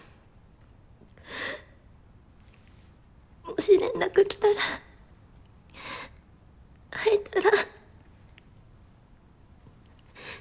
もし連絡来たら会えたら。